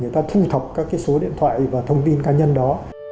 để thu thọc các số điện thoại và thông tin cá nhân đó